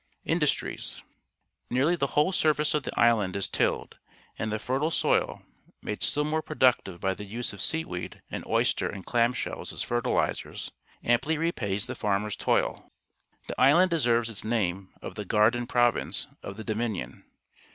Industries. — Nearly the whole surface of the island is tilled, and the fertile soil, made still more productive by the use of seaweed and oj'^ster and clamshells as fertilizers, amply repays the farmer's toil. The island deserves its name of the '"Garden Province" of the Dominion.